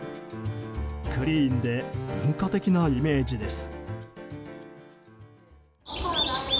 クリーンで文化的なイメージです。